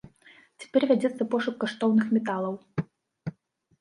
Цяпер вядзецца пошук каштоўных металаў.